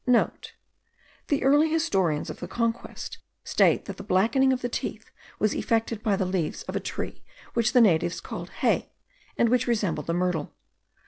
(* The early historians of the conquest state that the blackening of the teeth was effected by the leaves of a tree which the natives called hay, and which resembled the myrtle.